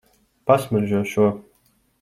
Pasmaržo šo.